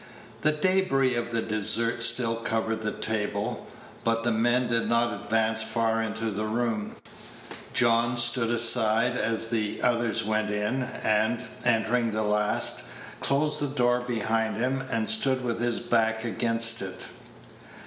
The débris of the dessert still covered the table, but the men did not advance far into the room. John stood aside as the others went in, and, entering the last, closed the door behind him, and stood with his back against it.